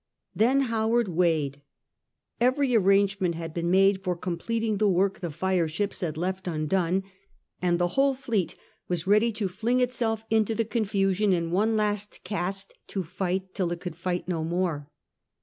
Then Howard weighed Every arrangement had been made for completing the work the fireships had left undone, and the whole fleet was ready to fling itself into the confusion in one last cast to fight till it could fight no more.